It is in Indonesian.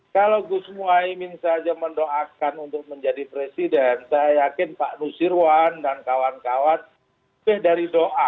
kalau gus muhaymin saja mendoakan untuk menjadi presiden saya yakin pak nusirwan dan kawan kawan lebih dari doa